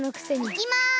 いきます！